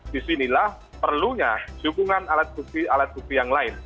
disinilah perlunya dukungan alat bukti alat bukti yang lain